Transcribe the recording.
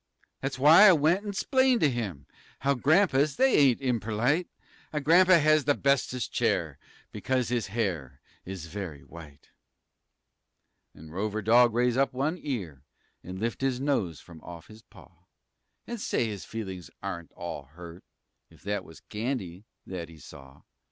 That's w'y I went an' 'xplained to him How grampas, they ain't imperlite, A grampa has th' bestest chair Because his hair is very white. Nen Rover Dog raise up one ear An' lift his nose fum off his paw, An' say his feelin's aren't all hurt If that was candy that he saw!